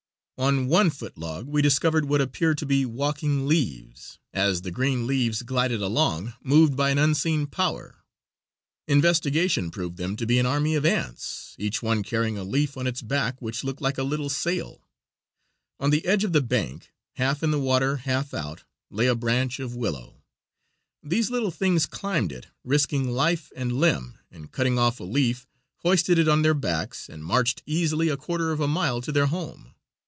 On one foot log we discovered what appeared to be walking leaves, as the green leaves glided along, moved by an unseen power. Investigation proved them to be an army of ants, each one carrying a leaf on its back which looked like a little sail. On the edge of the bank, half in the water, half out, lay a branch of willow. These little things climbed it, risking life and limb, and, cutting off a leaf, hoisted it on their backs and marched easily a quarter of a mile to their home.